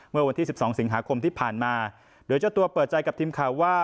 เมื่อวันที่๑๒สิงหาคมที่ผ่านมาโดยเจ้าตัวเปิดใจกับทีมข่าวว่า